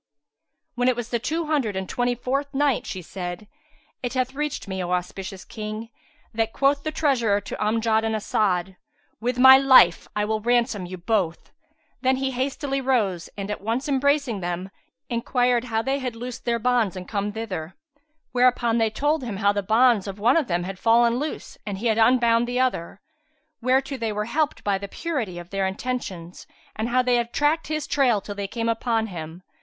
When it was the Two Hundred and Twenty fourth Night, She said, It hath reached me, O auspicious King, that quoth the treasurer to Amjad and As'ad, "With my life will I ransom you both!" Then he hastily rose and, at once embracing them, enquired how they had loosed their bonds and come thither; whereupon they told him how the bonds of one of them had fallen loose and he had unbound the other, whereto they were helped by the purity of their intentions, and how they had tracked his trail till they came upon him.